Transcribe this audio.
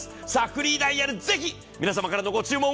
フリーダイヤル、ぜひ皆様からのご注文